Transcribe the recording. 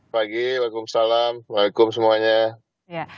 pagi waalaikumsalam waalaikumsalam semuanya